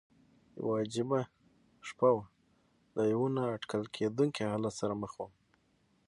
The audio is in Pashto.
یوه عجیبه شپه وه، له یوه نا اټکل کېدونکي حالت سره مخ ووم.